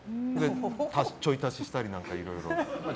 ちょい足ししたり、いろいろ。